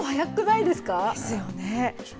ですよね。